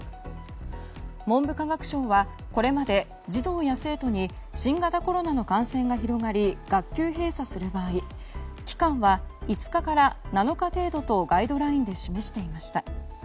文部科学省はこれまで児童や生徒に新型コロナの感染が広がり学級閉鎖する場合期間は５日から７日程度とガイドラインで示していました。